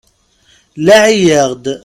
Laɛi-yaɣ-d.